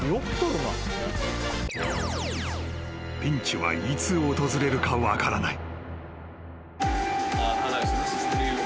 ［ピンチはいつ訪れるか分からない］